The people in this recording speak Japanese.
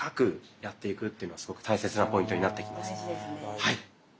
はい。